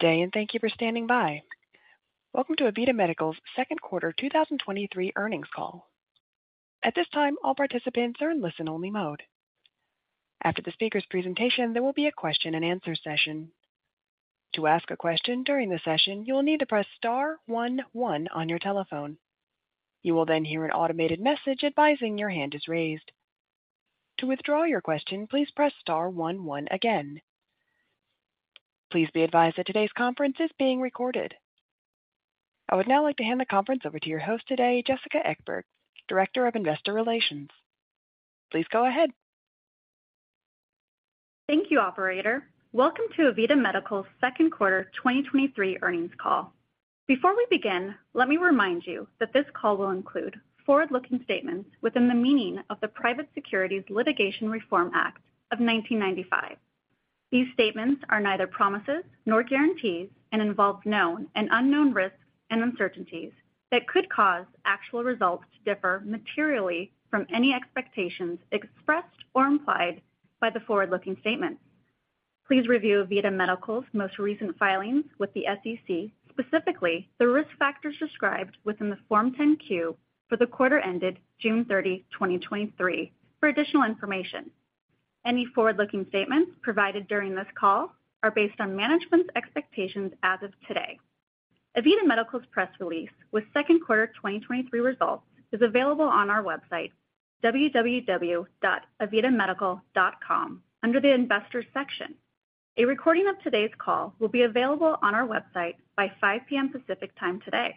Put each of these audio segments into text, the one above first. Good day, and thank you for standing by. Welcome to AVITA Medical's Second Quarter 2023 Earnings Call. At this time, all participants are in listen-only mode. After the speaker's presentation, there will be a question-and-answer session. To ask a question during the session, you will need to press star 11 on your telephone. You will then hear an automated message advising your hand is raised. To withdraw your question, please press star 11 again. Please be advised that today's conference is being recorded. I would now like to hand the conference over to your host today, Jessica Ekeberg; Director of Investor Relations. Please go ahead. Thank you, operator. Welcome to AVITA Medical's Second Quarter 2023 Earnings Call. Before we begin, let me remind you that this call will include forward-looking statements within the meaning of the Private Securities Litigation Reform Act of 1995. These statements are neither promises nor guarantees and involve known and unknown risks and uncertainties that could cause actual results to differ materially from any expectations expressed or implied by the forward-looking statements. Please review AVITA Medical's most recent filings with the SEC, specifically the risk factors described within the Form 10-Q for the quarter ended June 30, 2023, for additional information. Any forward-looking statements provided during this call are based on management's expectations as of today. AVITA Medical's press release with second quarter 2023 results is available on our website, www.avitamedical.com, under the Investors section. A recording of today's call will be available on our Website by 5:00 P.M. Pacific Time today.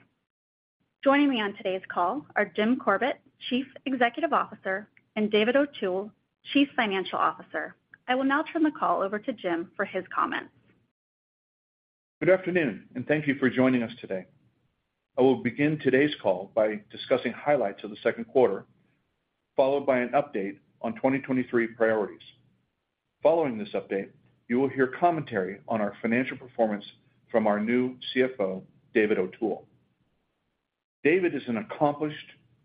Joining me on today's call are James Corbett; Chief Executive Officer, and David O'Toole; Chief Financial Officer. I will now turn the call over to James for his comments. Good afternoon, thank you for joining us today. I will begin today's call by discussing highlights of the second quarter, followed by an update on 2023 priorities. Following this update, you will hear commentary on our financial performance from our new CFO; David O'Toole. David is an accomplished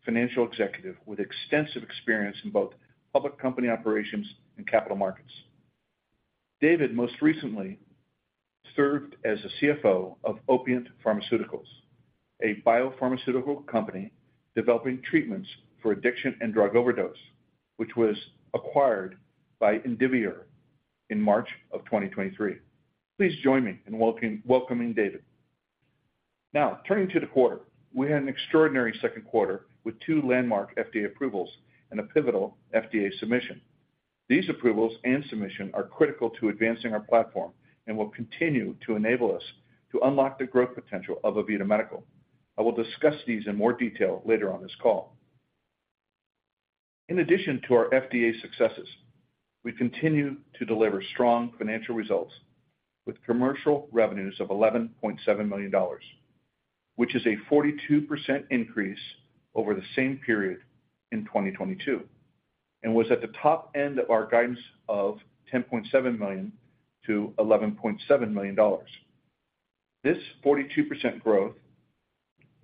financial executive with extensive experience in both public company operations and capital markets. David most recently served as the CFO of Opiant Pharmaceuticals, a biopharmaceutical company developing treatments for addiction and drug overdose, which was acquired by Indivior in March of 2023. Please join me in welcoming David. Now, turning to the quarter. We had an extraordinary second quarter with two landmark FDA approvals and a pivotal FDA submission. These approvals and submission are critical to advancing our platform and will continue to enable us to unlock the growth potential of AVITA Medical. I will discuss these in more detail later on this call. In addition to our FDA successes, we continue to deliver strong financial results with commercial revenues of $11.7 million, which is a 42% increase over the same period in 2022, and was at the top end of our guidance of $10.7-11.7 million. This 42% growth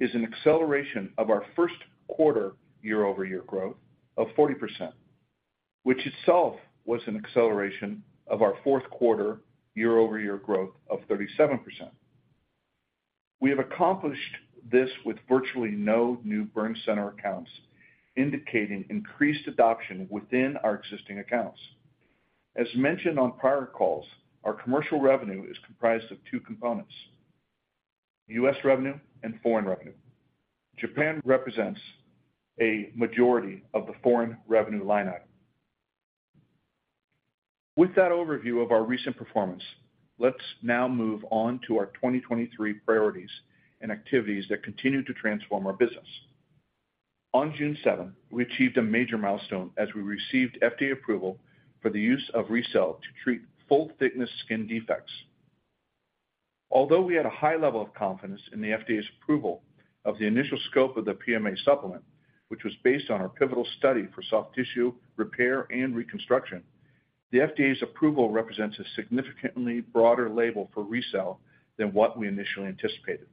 is an acceleration of our first quarter year-over-year growth of 40%, which itself was an acceleration of our fourth quarter year-over-year growth of 37%. We have accomplished this with virtually no new burn center accounts, indicating increased adoption within our existing accounts. As mentioned on prior calls, our commercial revenue is comprised of two components, U.S. revenue and foreign revenue. Japan represents a majority of the foreign revenue line item. With that overview of our recent performance, let's now move on to our 2023 priorities and activities that continue to transform our business. On June 7th, we achieved a major milestone as we received FDA approval for the use of RECELL to treat full-thickness skin defects. Although we had a high level of confidence in the FDA's approval of the initial scope of the PMA supplement, which was based on our pivotal study for soft tissue repair and reconstruction, the FDA's approval represents a significantly broader label for RECELL than what we initially anticipated.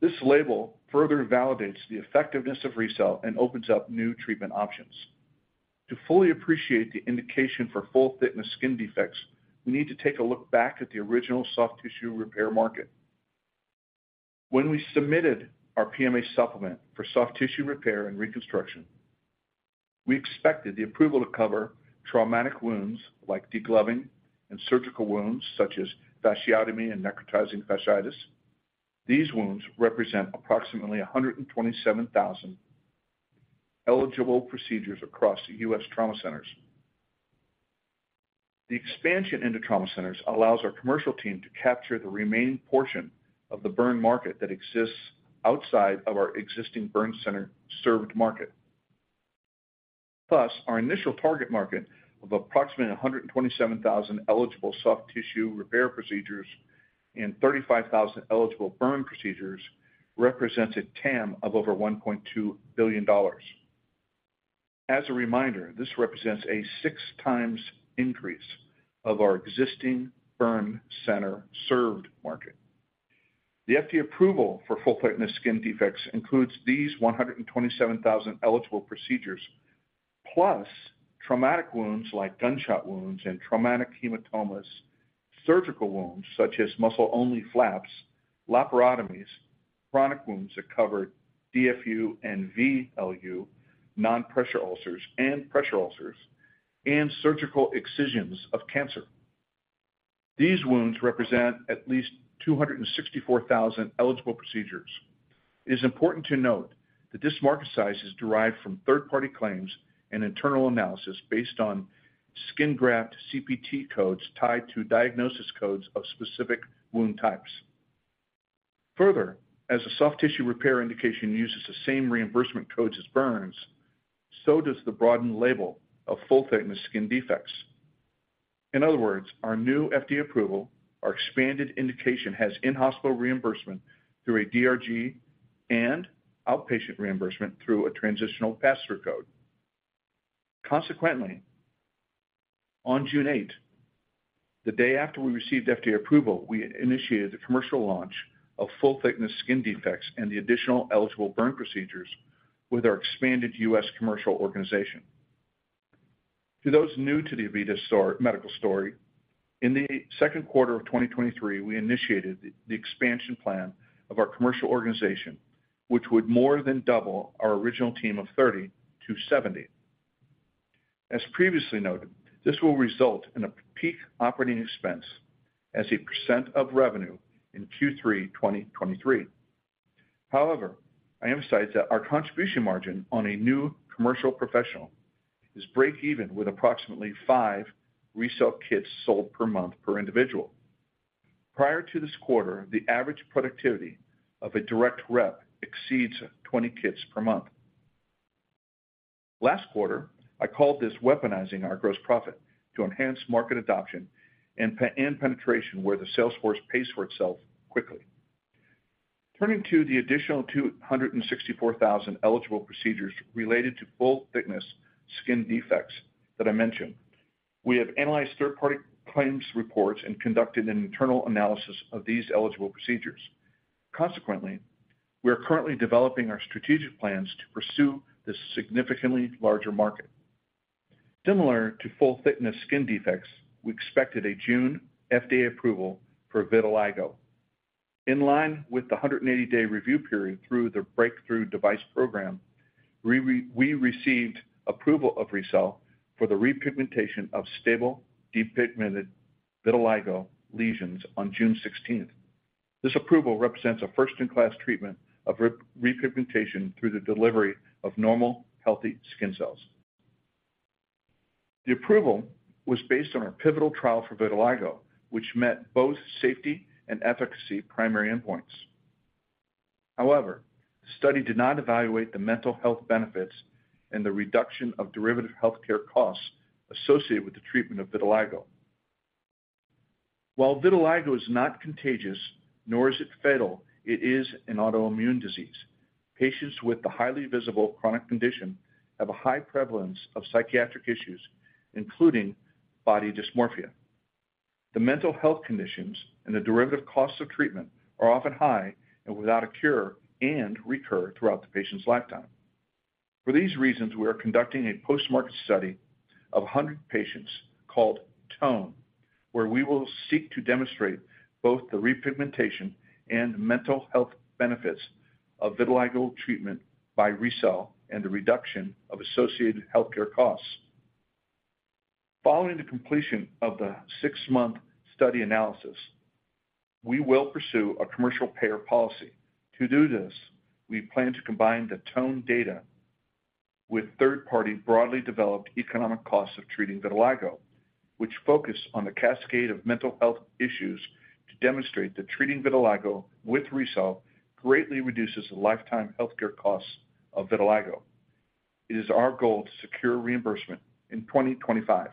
This label further validates the effectiveness of RECELL and opens up new treatment options. To fully appreciate the indication for full-thickness skin defects, we need to take a look back at the original soft tissue repair market. When we submitted our PMA supplement for soft tissue repair and reconstruction, we expected the approval to cover traumatic wounds like degloving and surgical wounds such as fasciotomy and necrotizing fasciitis. These wounds represent approximately 127,000 eligible procedures across the U.S. trauma centers. The expansion into trauma centers allows our commercial team to capture the remaining portion of the burn market that exists outside of our existing burn center-served market. Plus, our initial target market of approximately 127,000 eligible soft tissue repair procedures and 35,000 eligible burn procedures represents a TAM of over $1.2 billion. As a reminder, this represents a six times increase of our existing burn center-served market. The FDA approval for full-thickness skin defects includes these 127,000 eligible procedures, plus traumatic wounds like gunshot wounds and traumatic hematomas, surgical wounds such as muscle flaps, laparotomy, chronic wounds that cover DFU and VLU, non-pressure ulcers and pressure ulcers, and surgical excisions of cancer. These wounds represent at least 264,000 eligible procedures. It is important to note that this market size is derived from third-party claims and internal analysis based on skin graft CPT codes tied to diagnosis codes of specific wound types. As a soft tissue repair indication uses the same reimbursement codes as burns, so does the broadened label of full-thickness skin defects. In other words, our new FDA approval, our expanded indication, has in-hospital reimbursement through a DRG and outpatient reimbursement through a transitional pass-through code. Consequently, on June 8th, the day after we received FDA approval, we initiated the commercial launch of full-thickness skin defects and the additional eligible burn procedures with our expanded U.S. commercial organization. To those new to the AVITA medical story, in the second quarter of 2023, we initiated the expansion plan of our commercial organization, which would more than double our original team of 30 to 70. As previously noted, this will result in a peak operating expense as a percent of revenue in Q3 2023. However, I emphasize that our contribution margin on a new commercial professional is break even with approximately 5 RECELL kits sold per month per individual. Prior to this quarter, the average productivity of a direct rep exceeds 20 kits per month. Last quarter, I called this weaponizing our gross profit to enhance market adoption and penetration, where the sales force pays for itself quickly. Turning to the additional 264,000 eligible procedures related to full-thickness skin defects that I mentioned, we have analyzed third-party claims reports and conducted an internal analysis of these eligible procedures. Consequently, we are currently developing our strategic plans to pursue this significantly larger market. Similar to full-thickness skin defects, we expected a June FDA approval for vitiligo. In line with the 180-day review period through the Breakthrough Devices Program, we received approval of RECELL for the repigmentation of stable, depigmented vitiligo lesions on June 16th. This approval represents a first-in-class treatment of repigmentation through the delivery of normal, healthy skin cells. The approval was based on our pivotal trial for vitiligo, which met both safety and efficacy primary endpoints. However, the study did not evaluate the mental health benefits and the reduction of derivative healthcare costs associated with the treatment of vitiligo. While vitiligo is not contagious, nor is it fatal, it is an autoimmune disease. Patients with the highly visible chronic condition have a high prevalence of psychiatric issues, including body dysmorphia. The mental health conditions and the derivative costs of treatment are often high and without a cure and recur throughout the patient's lifetime. For these reasons, we are conducting a post-market study of 100 patients called TONE, where we will seek to demonstrate both the repigmentation and mental health benefits of vitiligo treatment by RECELL and the reduction of associated healthcare costs. Following the completion of the 6-month study analysis, we will pursue a commercial payer policy. To do this, we plan to combine the TONE data with third-party, broadly developed economic costs of treating vitiligo, which focus on the cascade of mental health issues to demonstrate that treating vitiligo with RECELL greatly reduces the lifetime healthcare costs of vitiligo. It is our goal to secure reimbursement in 2025.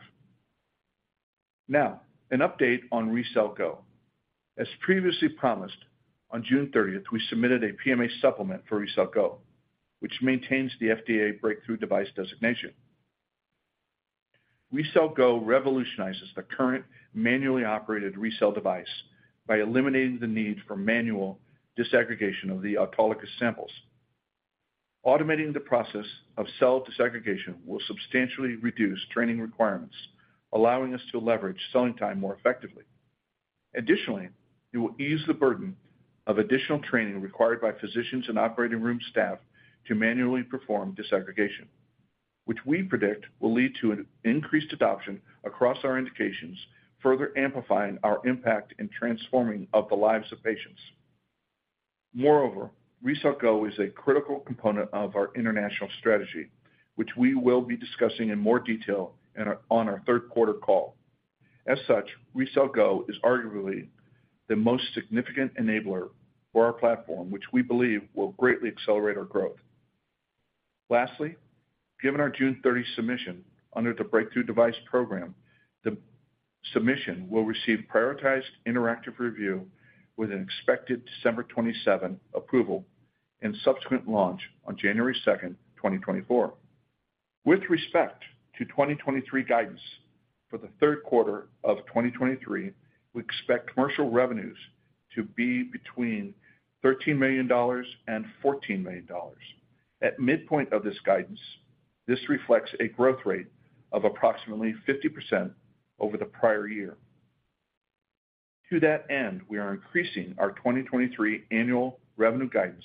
An update on RECELL GO. As previously promised, on June thirtieth, we submitted a PMA supplement for RECELL GO, which maintains the FDA Breakthrough Device designation. RECELL GO revolutionizes the current manually operated RECELL device by eliminating the need for manual disaggregation of the autologous samples. Automating the process of cell disaggregation will substantially reduce training requirements, allowing us to leverage selling time more effectively. Additionally, it will ease the burden of additional training required by physicians and operating room staff to manually perform disaggregation, which we predict will lead to an increased adoption across our indications, further amplifying our impact in transforming of the lives of patients. Moreover, RECELL GO is a critical component of our international strategy, which we will be discussing in more detail on our third quarter call. As such, RECELL GO is arguably the most significant enabler for our platform, which we believe will greatly accelerate our growth. Lastly, given our June 30th submission under the Breakthrough Devices Program, the submission will receive prioritized interactive review with an expected December 27th approval and subsequent launch on January 2, 2024. With respect to 2023 guidance, for the third quarter of 2023, we expect commercial revenues to be between $13 million and $14 million. At midpoint of this guidance, this reflects a growth rate of approximately 50% over the prior year. To that end, we are increasing our 2023 annual revenue guidance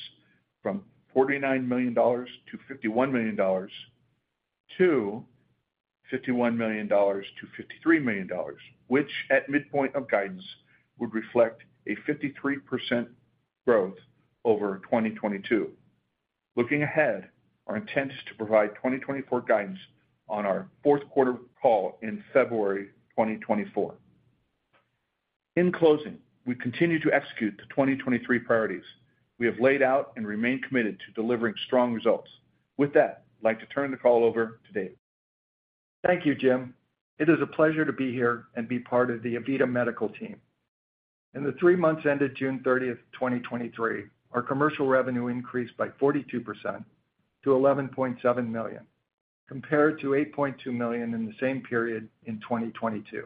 from $49 million-$51 million to $51 -53 million, which, at midpoint of guidance, would reflect a 53% growth over 2022. Looking ahead, our intent is to provide 2024 guidance on our fourth quarter call in February 2024. In closing, we continue to execute the 2023 priorities. We have laid out and remain committed to delivering strong results. With that, I'd like to turn the call over to Dave. Thank you, Jim. It is a pleasure to be here and be part of the AVITA Medical team. In the three months ended June thirtieth, 2023, our commercial revenue increased by 42% to $11.7 million, compared to $8.2 million in the same period in 2022.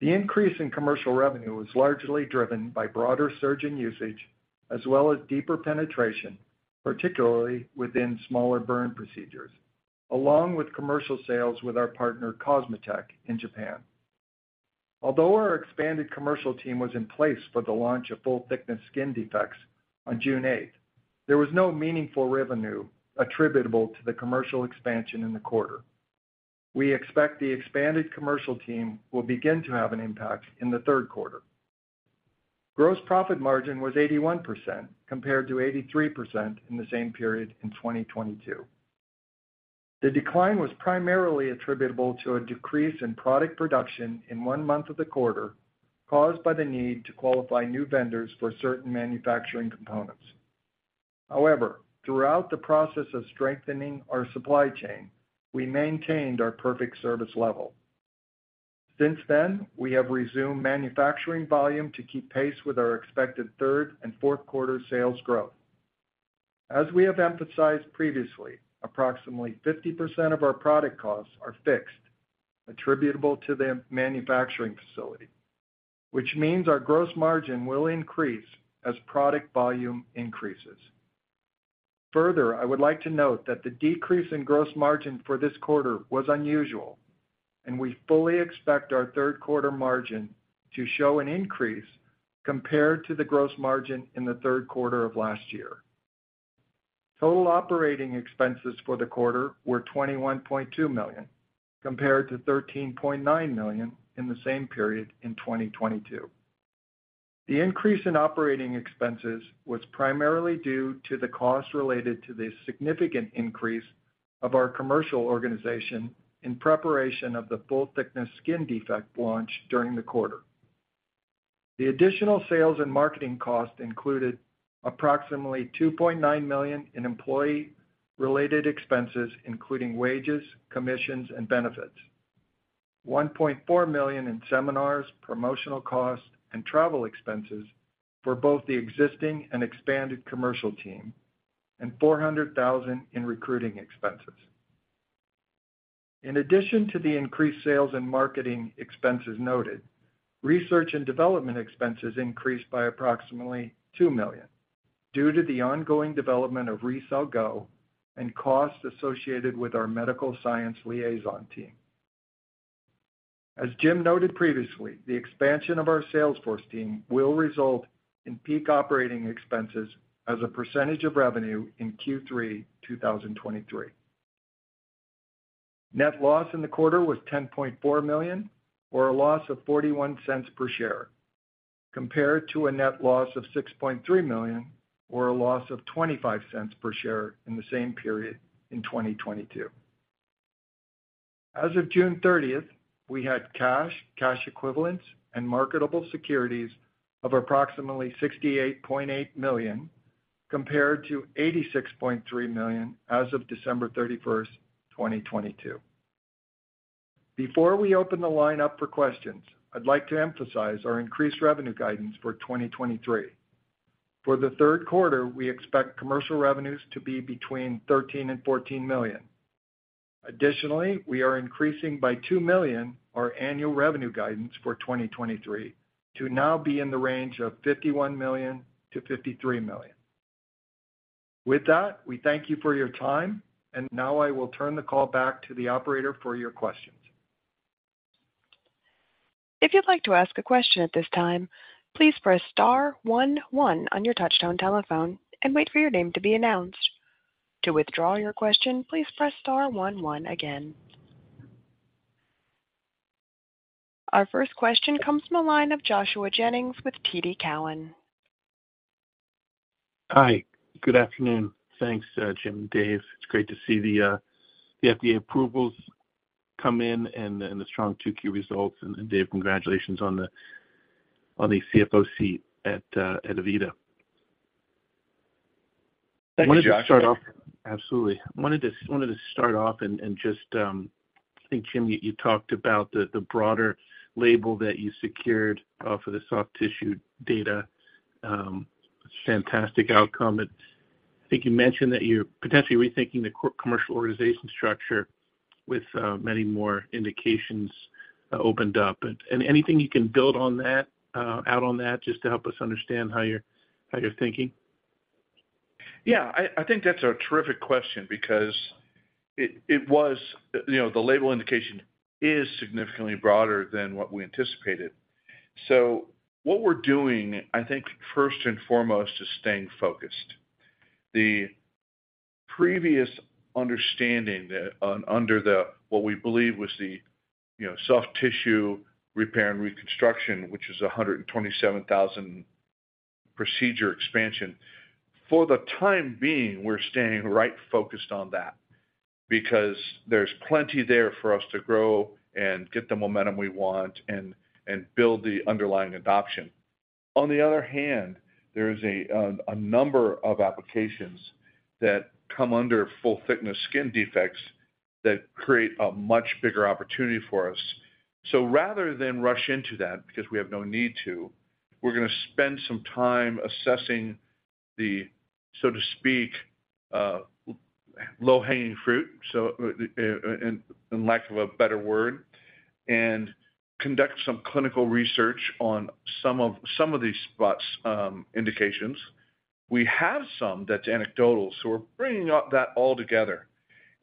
The increase in commercial revenue was largely driven by broader surgeon usage as well as deeper penetration, particularly within smaller burn procedures, along with commercial sales with our partner COSMOTEC in Japan. Although our expanded commercial team was in place for the launch of full-thickness skin defects on June eighth, there was no meaningful revenue attributable to the commercial expansion in the quarter. We expect the expanded commercial team will begin to have an impact in the third quarter. Gross profit margin was 81%, compared to 83% in the same period in 2022. The decline was primarily attributable to a decrease in product production in one month of the quarter, caused by the need to qualify new vendors for certain manufacturing components. However, throughout the process of strengthening our supply chain, we maintained our perfect service level. Since then, we have resumed manufacturing volume to keep pace with our expected third and fourth quarter sales growth. As we have emphasized previously, approximately 50% of our product costs are fixed, attributable to the manufacturing facility, which means our gross margin will increase as product volume increases. Further, I would like to note that the decrease in gross margin for this quarter was unusual, and we fully expect our third quarter margin to show an increase compared to the gross margin in the third quarter of last year. Total operating expenses for the quarter were $21.2 million, compared to $13.9 million in the same period in 2022. The increase in operating expenses was primarily due to the cost related to the significant increase of our commercial organization in preparation of the full-thickness skin defect launch during the quarter. The additional sales and marketing cost included approximately $2.9 million in employee-related expenses, including wages, commissions, and benefits. $1.4 million in seminars, promotional costs, and travel expenses for both the existing and expanded commercial team, and $400,000 in recruiting expenses. In addition to the increased sales and marketing expenses noted, research and development expenses increased by approximately $2 million due to the ongoing development of RECELL GO and costs associated with our medical science liaison team. As Jim noted previously, the expansion of our salesforce team will result in peak operating expenses as a % of revenue in Q3 2023. Net loss in the quarter was $10.4 million, or a loss of $0.41 per share, compared to a net loss of $6.3 million, or a loss of $0.25 per share in the same period in 2022. As of June 30th, we had cash, cash equivalents, and marketable securities of approximately $68.8 million, compared to $86.3 million as of December 31st, 2022. Before we open the line up for questions, I'd like to emphasize our increased revenue guidance for 2023. For the third quarter, we expect commercial revenues to be between $13 million and $14 million. Additionally, we are increasing by $2 million our annual revenue guidance for 2023 to now be in the range of $51 -53 million. With that, we thank you for your time, and now I will turn the call back to the operator for your questions. If you'd like to ask a question at this time, please press star one one on your touchtone telephone and wait for your name to be announced. To withdraw your question, please press star one one again. Our first question comes from the line of Joshua Jennings with TD Cowen. Hi, good afternoon. Thanks, Jim and Dave. It's great to see the FDA approvals come in and, and the strong 2Q results. Dave, congratulations on the, on the CFO seat at AVITA. Thank you, Josh. Absolutely. I wanted to start off and, just, I think, Jim, you, you talked about the, the broader label that you secured, for the soft tissue data. Fantastic outcome. It's, I think you mentioned that you're potentially rethinking the commercial organization structure with, many more indications, opened up. Anything you can build on that, just to help us understand how you're, how you're thinking? Yeah, I, I think that's a terrific question because it, it was, you know, the label indication is significantly broader than what we anticipated. What we're doing, I think, first and foremost, is staying focused. The previous understanding that under the, what we believe was the, you know, soft tissue repair and reconstruction, which is a 127,000 procedure expansion, for the time being, we're staying right focused on that because there's plenty there for us to grow and get the momentum we want and, and build the underlying adoption. On the other hand, there is a number of applications that come under full-thickness skin defects that create a much bigger opportunity for us. Rather than rush into that, because we have no need to, we're gonna spend some time assessing the, so to speak, low-hanging fruit, in lack of a better word, and conduct some clinical research on some of these spots, indications. We have some that's anecdotal, so we're bringing up that all together.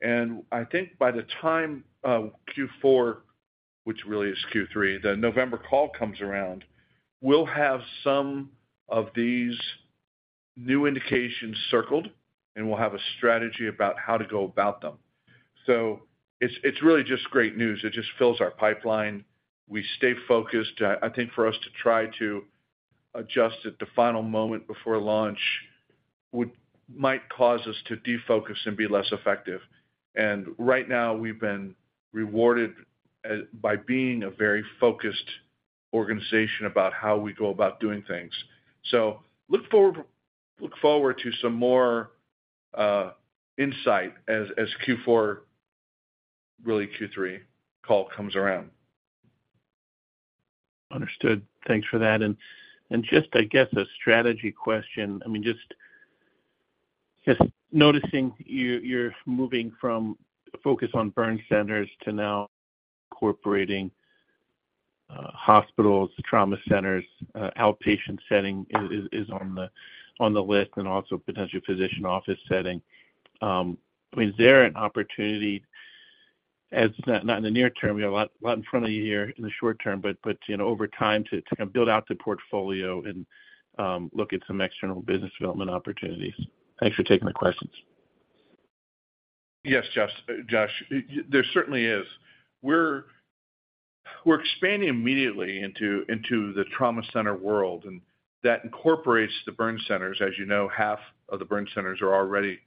I think by the time Q4, which really is Q3, the November call comes around, we'll have some of these new indications circled, and we'll have a strategy about how to go about them. It's, it's really just great news. It just fills our pipeline. We stay focused. I think for us to try to adjust at the final moment before launch, would might cause us to defocus and be less effective. Right now, we've been rewarded as, by being a very focused organization about how we go about doing things. Look forward, look forward to some more insight as Q4, really, Q3 call comes around. Understood. Thanks for that. I guess, a strategy question. I mean, just, just noticing you're, you're moving from a focus on burn centers to now incorporating hospitals, trauma centers, outpatient setting is, on the list, and also potential physician office setting. Is there an opportunity, as, not, not in the near term, you have a lot, a lot in front of you here in the short term, but, you know, over time, to build out the portfolio and look at some external business development opportunities? Thanks for taking the questions Yes, Josh, there certainly is. We're, we're expanding immediately into, into the trauma center world, and that incorporates the burn centers. As you know, half of the burn centers are already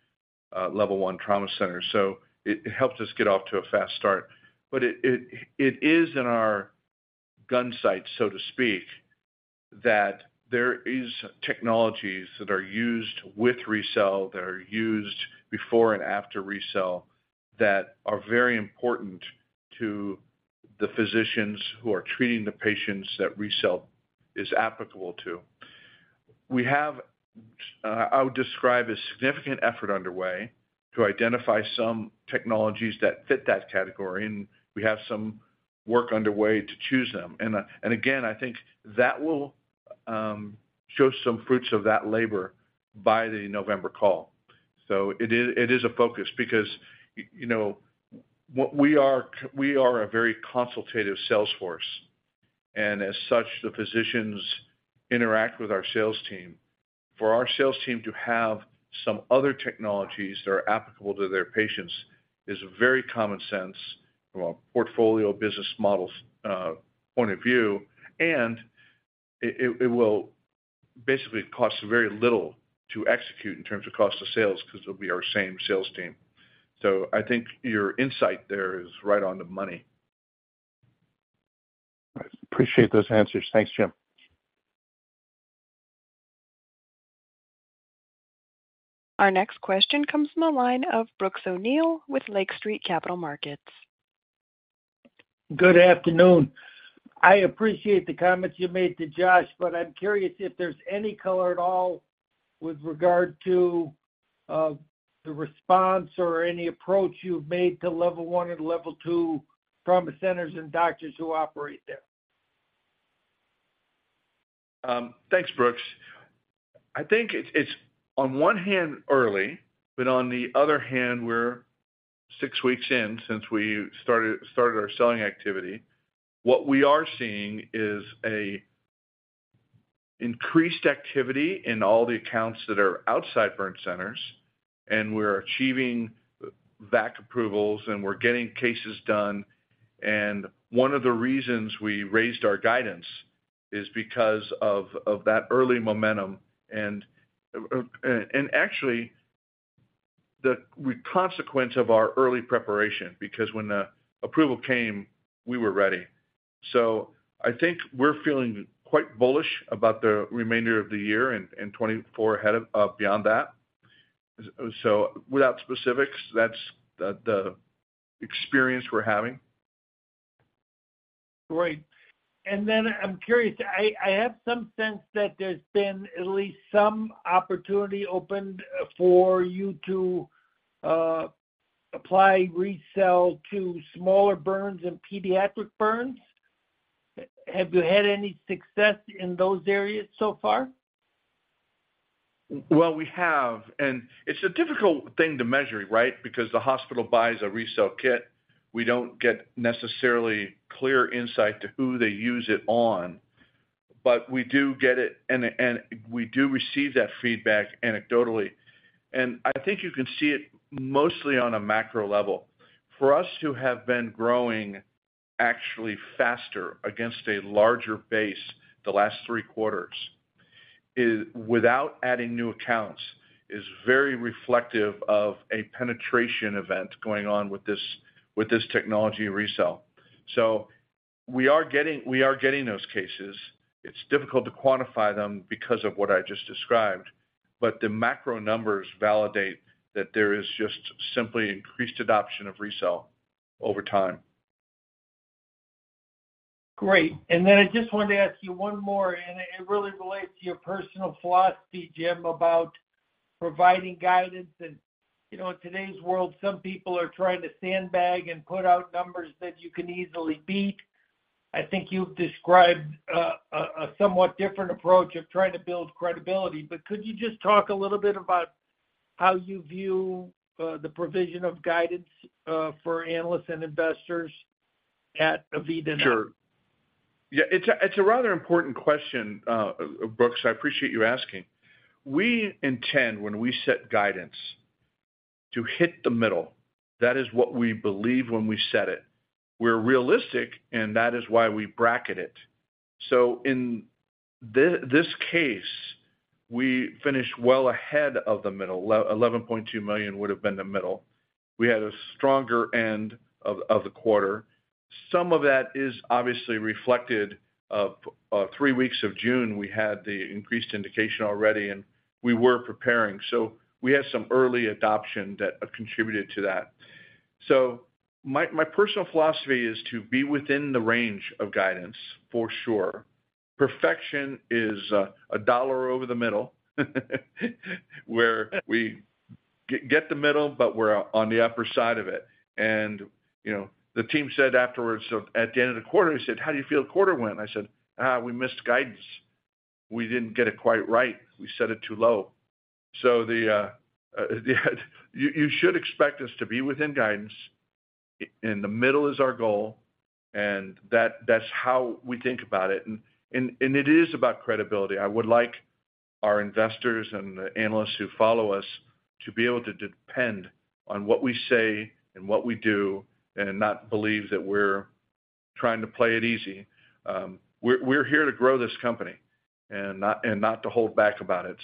Level I Trauma Center, so it, it helped us get off to a fast start. But it, it, it is in our gunsight, so to speak, that there is technologies that are used with RECELL, that are used before and after RECELL, that are very important to the physicians who are treating the patients that RECELL is applicable to. We have, I would describe, a significant effort underway to identify some technologies that fit that category, and we have some work underway to choose them. Again, I think that will show some fruits of that labor by the November call. It is, it is a focus because, you know, what we are a very consultative sales force, and as such, the physicians interact with our sales team. For our sales team to have some other technologies that are applicable to their patients is very common sense from a portfolio business model point of view, and it, it, it will basically cost very little to execute in terms of cost of sales because it'll be our same sales team. I think your insight there is right on the money. I appreciate those answers. Thanks, Jim. Our next question comes from the line of Brooks O'Neil with Lake Street Capital Markets. Good afternoon. I appreciate the comments you made to Josh, but I'm curious if there's any color at all with regard to, the response or any approach you've made to Level I and Level II trauma centers and doctors who operate there? Thanks, Brooks. I think it's, on one hand, early, but on the other hand, we're six weeks in since we started, started our selling activity. What we are seeing is a increased activity in all the accounts that are outside burn centers, and we're achieving VAC approvals, and we're getting cases done. One of the reasons we raised our guidance is because of, of that early momentum and actually, the consequence of our early preparation, because when the approval came, we were ready. I think we're feeling quite bullish about the remainder of the year and 2024 ahead of beyond that. Without specifics, that's the, the experience we're having. Great. I'm curious, I, I have some sense that there's been at least some opportunity opened for you to apply RECELL to smaller burns and pediatric burns. Have you had any success in those areas so far? Well, we have, and it's a difficult thing to measure, right? Because the hospital buys a RECELL kit. We don't get necessarily clear insight to who they use it on, but we do get it, and we do receive that feedback anecdotally. I think you can see it mostly on a macro level. For us to have been growing actually faster against a larger base the last three quarters, is without adding new accounts, is very reflective of a penetration event going on with this, with this technology RECELL. We are getting, we are getting those cases. It's difficult to quantify them because of what I just described. The macro numbers validate that there is just simply increased adoption of RECELL over time. Great. Then I just wanted to ask you one more, and it really relates to your personal philosophy, Jim, about providing guidance. You know, in today's world, some people are trying to sandbag and put out numbers that you can easily beat. I think you've described a somewhat different approach of trying to build credibility. Could you just talk a little bit about how you view the provision of guidance for analysts and investors at AVITA Medical? Sure. Yeah, it's a rather important question, Brooks, I appreciate you asking. We intend, when we set guidance, to hit the middle. That is what we believe when we set it. We're realistic, and that is why we bracket it. In this case, we finished well ahead of the middle. $11.2 million would have been the middle. We had a stronger end of the quarter. Some of that is obviously reflected of three weeks of June, we had the increased indication already, and we were preparing. We had some early adoption that contributed to that. My personal philosophy is to be within the range of guidance for sure. Perfection is a dollar over the middle, where we get the middle, but we're on the upper side of it. You know, the team said afterwards, so at the end of the quarter, they said, "How do you feel the quarter went?" I said, "We missed guidance. We didn't get it quite right. We set it too low." The, you, you should expect us to be within guidance, in the middle is our goal, and that's how we think about it. It is about credibility. I would like our investors and the analysts who follow us to be able to depend on what we say and what we do, and not believe that we're trying to play it easy. We're, we're here to grow this company and not, and not to hold back about it.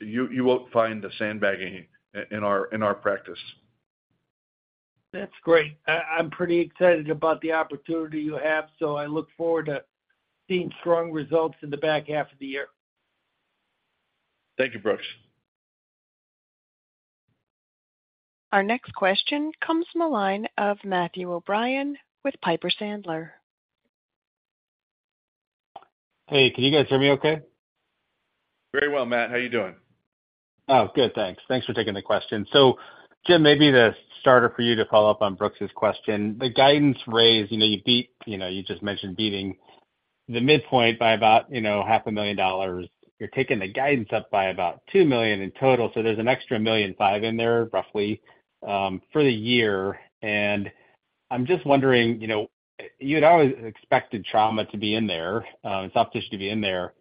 You, you won't find the sandbagging in our, in our practice. That's great. I, I'm pretty excited about the opportunity you have, so I look forward to seeing strong results in the back half of the year. Thank you, Brooks. Our next question comes from the line of Matthew O'Brien with Piper Sandler. Hey, can you guys hear me okay? Very well, Matt. How are you doing? Oh, good, thanks. Thanks for taking the question. Jim, maybe the starter for you to follow up on Brooks's question. The guidance raise, you know, you beat. You know, you just mentioned beating the midpoint by about, you know, $500,000. You're taking the guidance up by about $2 million in total, so there's an extra $1.5 million in there, roughly, for the year. I'm just wondering, you know, you had always expected trauma to be in there, and soft tissue to be in there,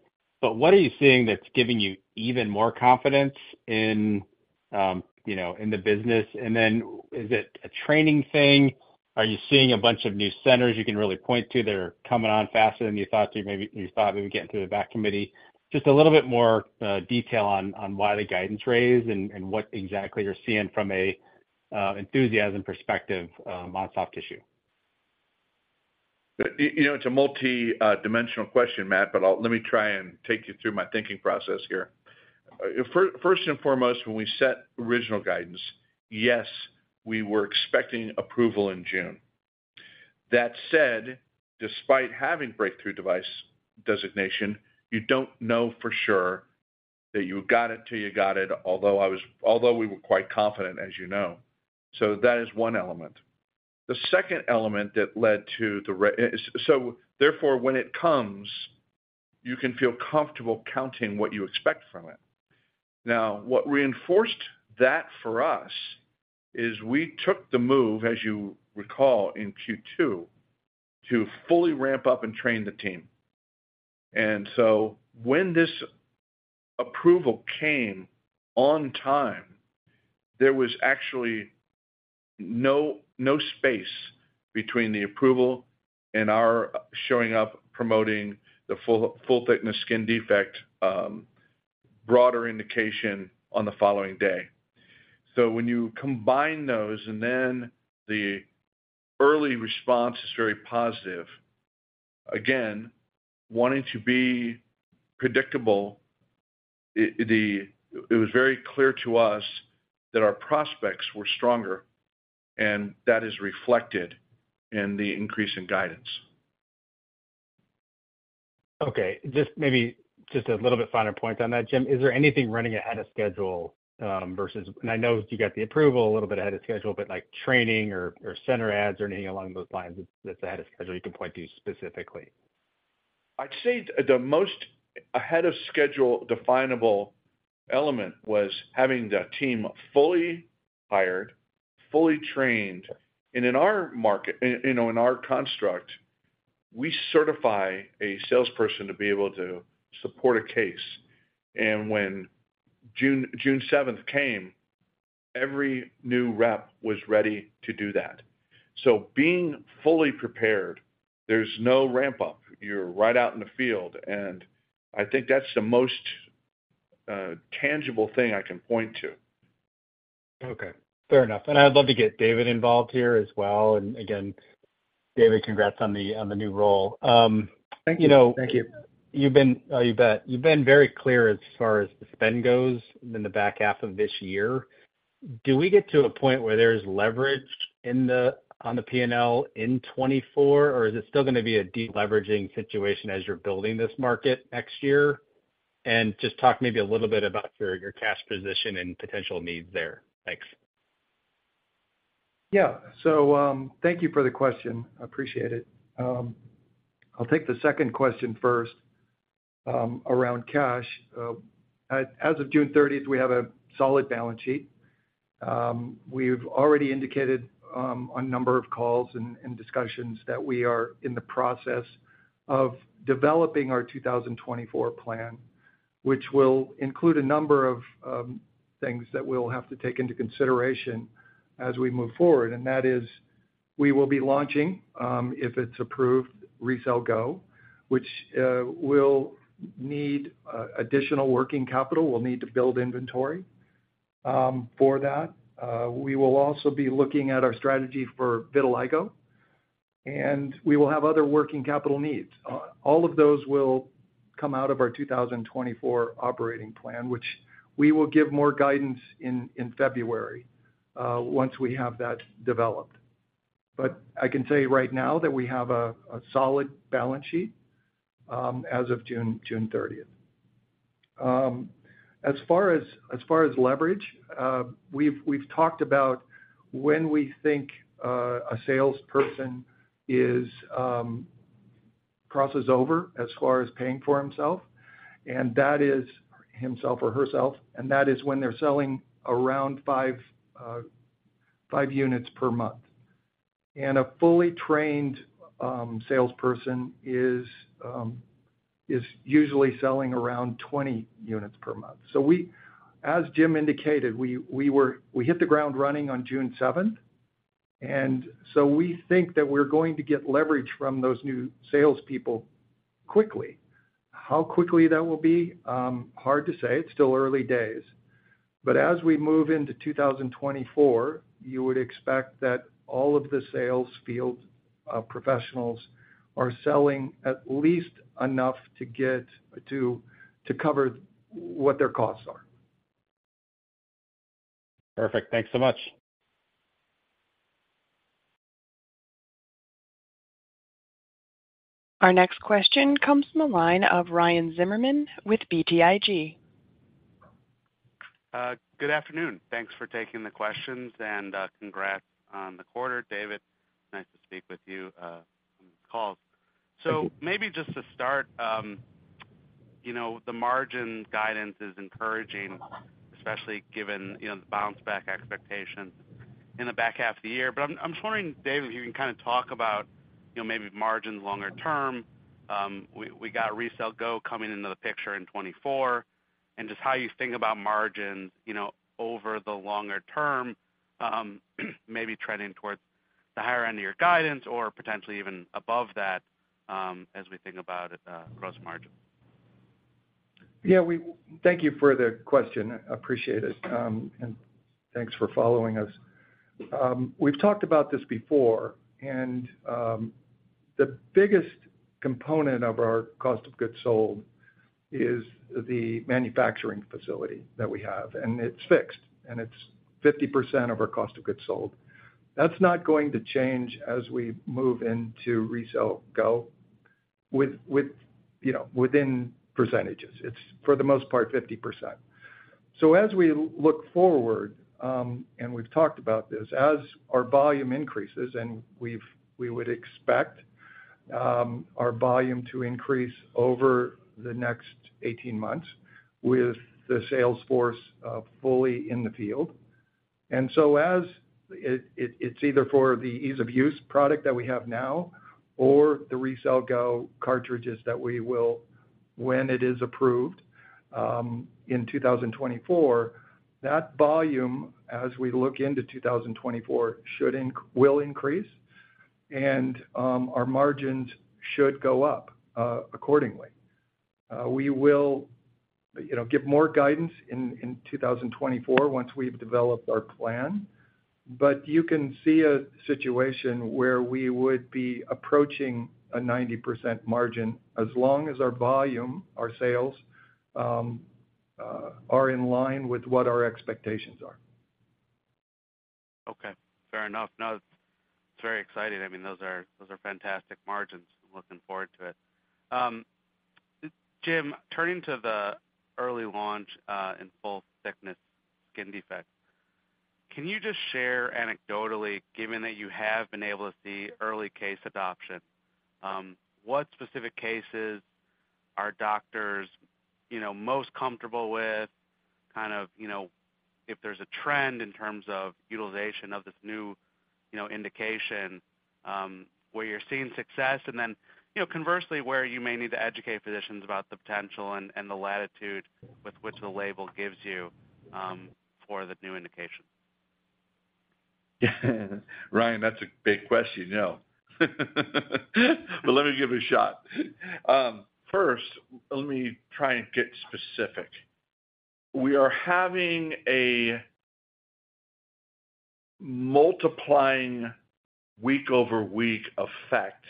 but what are you seeing that's giving you even more confidence in, you know, in the business? Then is it a training thing? Are you seeing a bunch of new centers you can really point to that are coming on faster than you thought, so maybe you thought would get through the VAC committee? Just a little bit more, detail on, why the guidance raise and, and what exactly you're seeing from a, enthusiasm perspective, on soft tissue. You know, it's a multi-dimensional question, Matt, but I'll let me try and take you through my thinking process here. First and foremost, when we set original guidance, yes, we were expecting approval in June. That said, despite having Breakthrough Device designation, you don't know for sure that you got it till you got it, although we were quite confident, as you know. That is one element. The second element that led to the re-- so therefore, when it comes, you can feel comfortable counting what you expect from it. Now, what reinforced that for us is we took the move, as you recall, in Q2, to fully ramp up and train the team. When this approval came on time, there was actually no, no space between the approval and our showing up promoting the full, full-thickness skin defect, broader indication on the following day. When you combine those, and then the early response is very positive, again, wanting to be predictable. It was very clear to us that our prospects were stronger, and that is reflected in the increase in guidance. Okay. Just maybe just a little bit finer point on that, Jim. Is there anything running ahead of schedule, I know you got the approval a little bit ahead of schedule, but like training or, or center ads or anything along those lines that's ahead of schedule you can point to specifically? I'd say the most ahead of schedule definable element was having the team fully hired, fully trained. In our market, you know, in our construct, we certify a salesperson to be able to support a case. When June 7th came, every new rep was ready to do that. Being fully prepared, there's no ramp-up. You're right out in the field, and I think that's the most tangible thing I can point to. Okay, fair enough. I'd love to get David involved here as well. Again, David, congrats on the, on the new role. Thank you. Thank you. You know, you've been. Oh, you bet. You've been very clear as far as the spend goes in the back half of this year. Do we get to a point where there's leverage on the PNL in 2024, or is it still gonna be a deleveraging situation as you're building this market next year? Just talk maybe a little bit about your cash position and potential needs there. Thanks. Yeah. Thank you for the question. I appreciate it. I'll take the second question first, around cash. As of June 30th, we have a solid balance sheet. We've already indicated on a number of calls and discussions that we are in the process of developing our 2024 plan, which will include a number of things that we'll have to take into consideration as we move forward. That is, we will be launching, if it's approved, RECELL GO, which will need additional working capital. We'll need to build inventory for that. We will also be looking at our strategy for vitiligo, and we will have other working capital needs. All of those will come out of our 2024 operating plan, which we will give more guidance in February once we have that developed. I can tell you right now that we have a solid balance sheet as of June 30th. As far as, as far as leverage, we've, we've talked about when we think a salesperson is crosses over as far as paying for himself, and that is himself or herself, and that is when they're selling around 5 units per month. A fully trained salesperson is usually selling around 20 units per month. As Jim indicated, we hit the ground running on June 7th, and so we think that we're going to get leverage from those new salespeople quickly. How quickly that will be? Hard to say. It's still early days. As we move into 2024, you would expect that all of the sales field, professionals are selling at least enough to get to, to cover what their costs are. Perfect. Thanks so much. Our next question comes from the line of Ryan Zimmerman with BTIG. Good afternoon. Thanks for taking the questions, and congrats on the quarter, David. Nice to speak with you on this call. Maybe just to start, you know, the margin guidance is encouraging, especially given, you know, the bounce back expectations in the back half of the year. I'm just wondering, David, if you can kind of talk about, you know, maybe margins longer term. We, we got RECELL GO coming into the picture in 2024, and just how you think about margins, you know, over the longer term, maybe trending towards the higher end of your guidance or potentially even above that, as we think about gross margin. Yeah, thank you for the question. I appreciate it, and thanks for following us. We've talked about this before, the biggest component of our cost of goods sold is the manufacturing facility that we have, and it's fixed, and it's 50% of our cost of goods sold. That's not going to change as we move into RECELL GO with, you know, within percentages. It's, for the most part, 50%. As we look forward, and we've talked about this, as our volume increases, and we would expect our volume to increase over the next 18 months with the sales force, fully in the field. As it's either for the ease-of-use product that we have now or the RECELL GO cartridges that we will, when it is approved, in 2024, that volume, as we look into 2024, should will increase, and our margins should go up accordingly. We will, you know, give more guidance in 2024 once we've developed our plan. You can see a situation where we would be approaching a 90% margin as long as our volume, our sales, are in line with what our expectations are. Okay, fair enough. No, it's very exciting. I mean, those are fantastic margins. I'm looking forward to it. Jim, turning to the early launch, in full-thickness skin defect, can you just share anecdotally, given that you have been able to see early case adoption, what specific cases are doctors, you know, most comfortable with? Kind of, you know, if there's a trend in terms of utilization of this new, you know, indication, where you're seeing success, and then, you know, conversely, where you may need to educate physicians about the potential and, and the latitude with which the label gives you, for the new indication. Ryan, that's a big question, you know. Let me give it a shot. First, let me try and get specific. We are having a multiplying week-over-week effect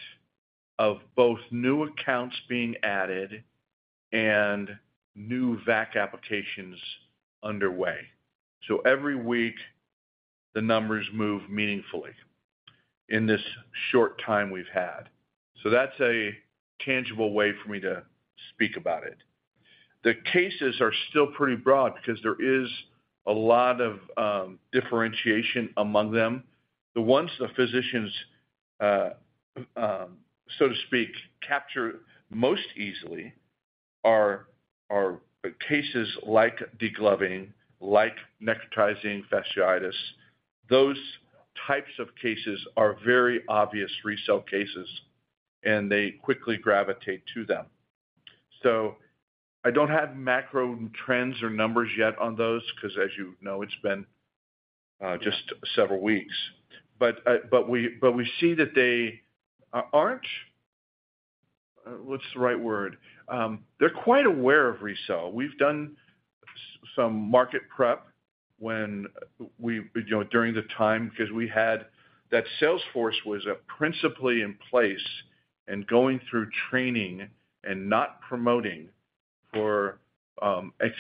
of both new accounts being added and new VAC applications underway. Every week, the numbers move meaningfully in this short time we've had. That's a tangible way for me to speak about it. The cases are still pretty broad because there is a lot of differentiation among them. The ones, the physicians, so to speak, capture most easily are, are cases like degloving, like necrotizing fasciitis. Those types of cases are very obvious RECELL cases, and they quickly gravitate to them. I don't have macro trends or numbers yet on those, 'cause as you know, it's been just several weeks. We, but we see that they aren't. What's the right word? They're quite aware of RECELL. We've done some market prep when we, you know, during the time, 'cause we had that sales force was principally in place and going through training and not promoting for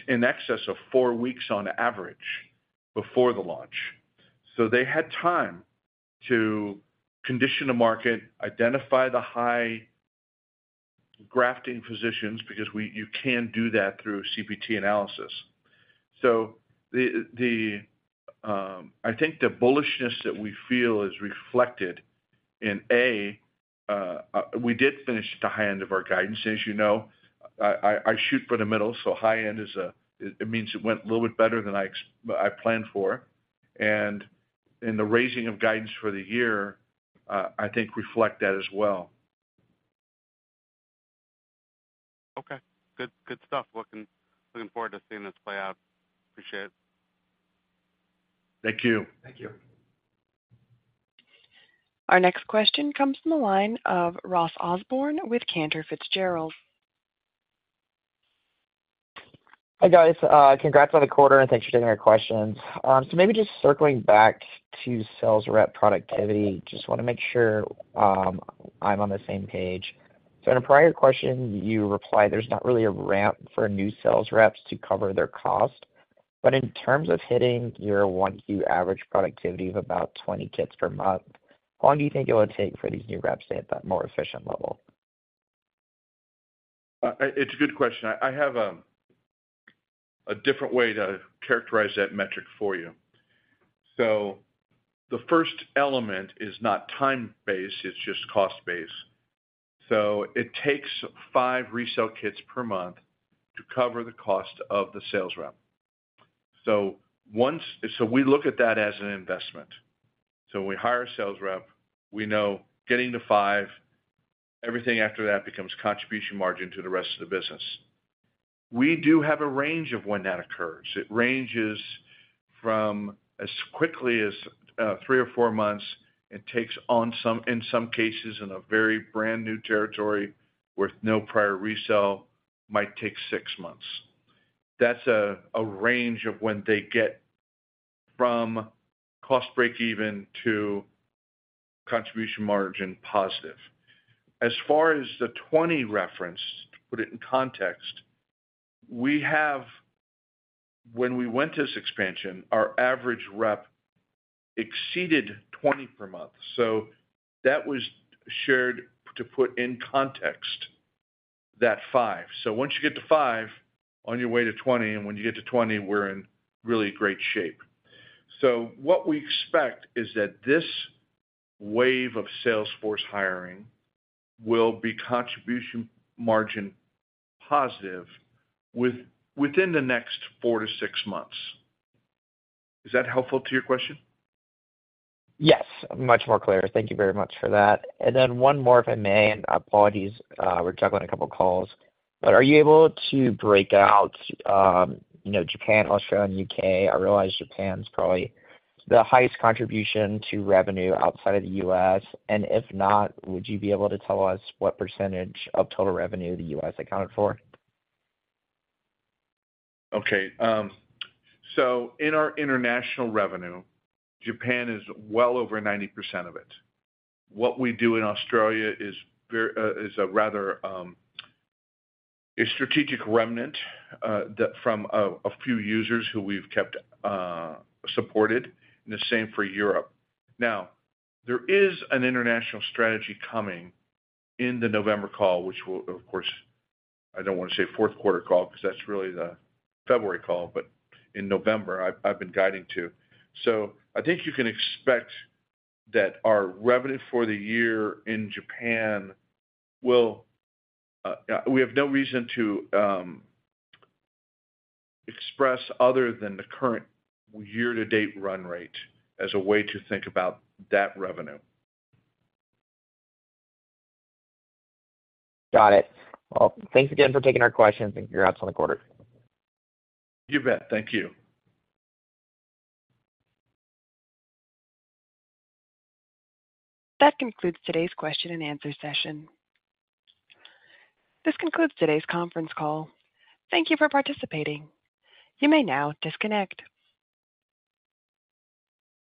in excess of four weeks on average before the launch. They had time to condition the market, identify the high grafting physicians, because you can do that through CPT analysis. The, I think the bullishness that we feel is reflected in A. We did finish the high end of our guidance. As you know, I, I shoot for the middle, so high end is a, it means it went a little bit better than I planned for, and in the raising of guidance for the year, I think reflect that as well. Okay, good, good stuff. Looking, looking forward to seeing this play out. Appreciate it. Thank you. Thank you. Our next question comes from the line of Ross Osborn with Cantor Fitzgerald. Hi, guys, congrats on the quarter, and thanks for taking our questions. Maybe just circling back to sales rep productivity. Just wanna make sure, I'm on the same page. In a prior question, you replied, there's not really a ramp for new sales reps to cover their cost. But in terms of hitting your 1Q average productivity of about 20 kits per month, how long do you think it would take for these new reps to hit that more efficient level? It's a good question. I, I have a different way to characterize that metric for you. The first element is not time-based, it's just cost-based. It takes five RECELL kits per month to cover the cost of the sales rep. Once we look at that as an investment. We hire a sales rep, we know getting to five, everything after that becomes contribution margin to the rest of the business. We do have a range of when that occurs. It ranges from as quickly as three or four months, and takes on some, in some cases, in a very brand-new territory with no prior RECELL, might take six months. That's a, a range of when they get from cost break even to contribution margin positive. As far as the 20 reference, to put it in context, we have when we went to this expansion, our average rep exceeded 20 per month, so that was shared to put in context that five. Once you get to five, on your way to 20, and when you get to 20, we're in really great shape. What we expect is that this wave of sales force hiring will be contribution margin positive within the next four, six months. Is that helpful to your question? Yes, much more clear. Thank you very much for that. Then one more, if I may, and apologies, we're juggling a couple of calls. Are you able to break out, you know, Japan, Australia, and U.K? I realize Japan is probably the highest contribution to revenue outside of the U.S, and if not, would you be able to tell us what percentage of total revenue the U.S accounted for? Okay, so in our international revenue, Japan is well over 90% of it. What we do in Australia is very, is a rather, a strategic remnant, that from, a few users who we've kept, supported, and the same for Europe. Now, there is an international strategy coming in the November call, which will, of course, I don't want to say fourth quarter call, because that's really the February call, but in November, I've, I've been guiding to. I think you can expect that our revenue for the year in Japan will... We have no reason to, express other than the current year to date run rate as a way to think about that revenue. Got it. Well, thanks again for taking our questions and congrats on the quarter. You bet. Thank you. That concludes today's question and answer session. This concludes today's conference call. Thank you for participating. You may now disconnect.